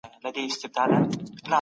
ټولنه د زده کړې له لارې وده کوي.